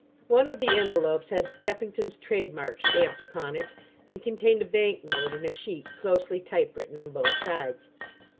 One of the envelopes had Skeffington's trade mark stamped upon it, and contained a bank note and a sheet closely type written on both sides.